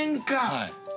はい。